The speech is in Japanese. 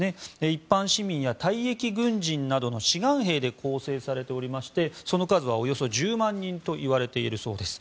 一般市民や退役軍人などの志願兵で構成されていましてその数はおよそ１０万人といわれているそうです。